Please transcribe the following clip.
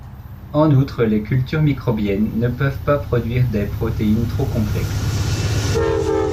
En outre, les cultures microbiennes ne peuvent pas produire des protéines trop complexes.